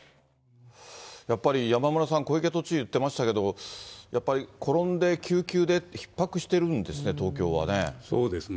やっぱり山村さん、小池都知事言ってましたけど、やっぱり転んで救急で、ひっ迫してるんですね、東京はね。